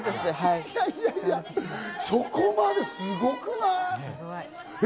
いやいや、そこまですごくない？